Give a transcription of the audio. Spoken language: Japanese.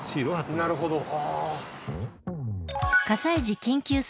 なるほどね。